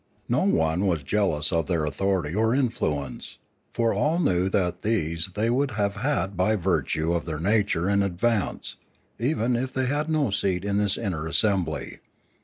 No one was jealous of their authority or influence; for all knew that these they would have had by virtue of their nature and advance, even if they had no seat in this inner assembly.